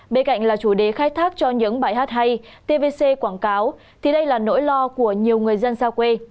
bên cạnh là chủ đề khai thác cho những bài hát hay tvc quảng cáo thì đây là nỗi lo của nhiều người dân xa quê